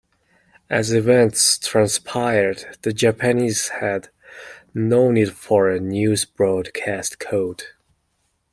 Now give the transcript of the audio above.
As events transpired, the Japanese had no need for a news broadcast code.